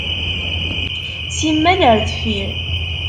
Simmal ar deffir.